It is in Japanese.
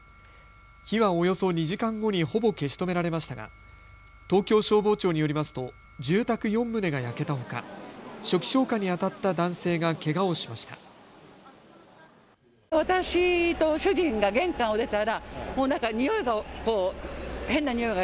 火は、およそ２時間後にほぼ消し止められましたが東京消防庁によりますと住宅４棟が焼けたほか、初期消火にあたった男性がけがをしました。